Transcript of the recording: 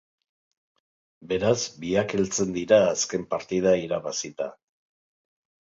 Beraz, biak heltzen dira azken partida irabazita.